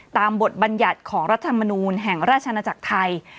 ตามบทบรรยาทของรัฐธรรมนูนแห่งราชนาจักรไทย